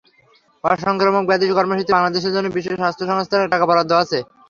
অসংক্রামক ব্যাধি কর্মসূচিতে বাংলাদেশের জন্য বিশ্ব স্বাস্থ্য সংস্থার টাকা বরাদ্দ আছে।